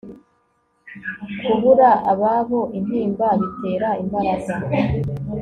kubura ababo intimba bitera imbaraga